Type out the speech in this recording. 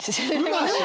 「うまし！」